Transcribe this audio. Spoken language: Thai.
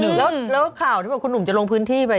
แล้วข่าวที่บอกคุณหนุ่มจะลงพื้นที่ไป